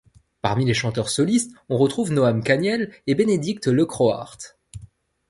Parmi les chanteurs solistes, on retrouve Noam Kaniel et Benedicte Lecroart.